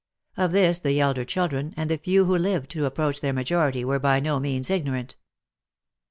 Of this the elder children, and the few who lived to approach their majo rity, were by no means ignorant.